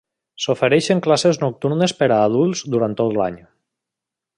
S'ofereixen classes nocturnes per a adults durant tot l'any.